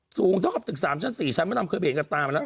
สูงเท่ากับตึก๓ชั้น๔ชั้นมะดำเคยไปเห็นกับตามาแล้ว